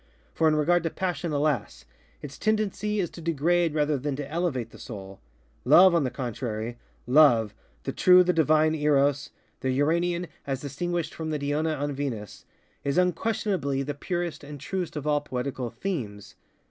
For in regard to passion, alas! its tendency is to degrade rather than to elevate the Soul. Love, on the contraryŌĆöLoveŌĆöthe true, the divine ErosŌĆöthe Uranian as distinguished from the Diona an VenusŌĆöis unquestionably the purest and truest of all poetical themes.